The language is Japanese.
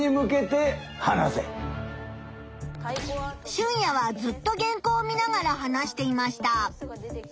シュンヤはずっと原稿を見ながら話していました。